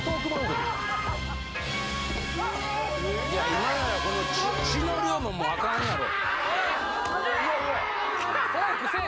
今ならこの血の量ももうあかんやろ。